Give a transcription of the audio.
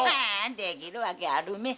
できるわけあるめえ。